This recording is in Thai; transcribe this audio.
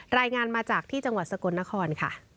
รายงานมาจากที่จังหวัดสกลนครค่ะ